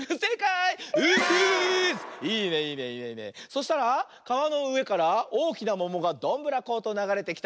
そしたらかわのうえからおおきなももがどんぶらことながれてきた。